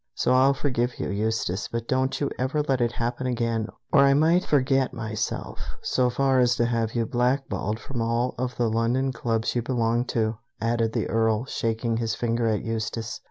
So I'll forgive you, Eustace, but don't you ever let it happen again, or I might forget myself so far as to have you blackballed from all of the London clubs you belong to," added the Earl, shaking his finger at Eustace.